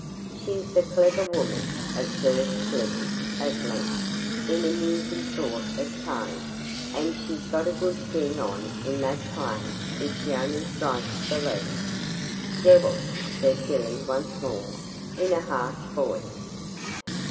'She's a clever woman,' observed Slivers, at length, in a musing sort of tone, 'and she's got a good thing on in that claim if she only strikes the Lead.' 'Devil,' said Billy once more, in a harsh voice.